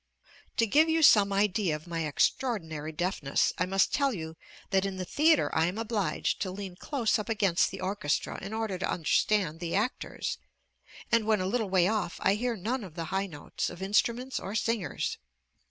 To give you some idea of my extraordinary deafness, I must tell you that in the theatre I am obliged to lean close up against the orchestra in order to understand the actors, and when a little way off I hear none of the high notes of instruments or singers.